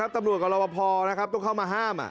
ตำรวจกับเราว่าพอนะครับต้องเข้ามาห้าม